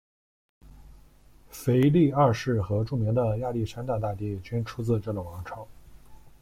腓力二世和著名的亚历山大大帝均出自这个王朝。